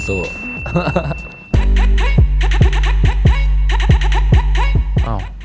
เอ้า